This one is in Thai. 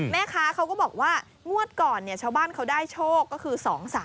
แม่ค้าเขาก็บอกว่างวดก่อนชาวบ้านเขาได้โชคก็คือ๒๓